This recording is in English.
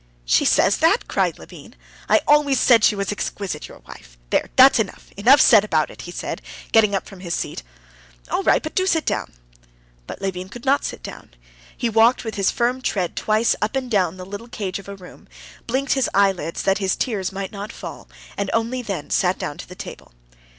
"She says that!" cried Levin. "I always said she was exquisite, your wife. There, that's enough, enough said about it," he said, getting up from his seat. "All right, but do sit down." But Levin could not sit down. He walked with his firm tread twice up and down the little cage of a room, blinked his eyelids that his tears might not fall, and only then sat down to the table.